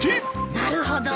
なるほど。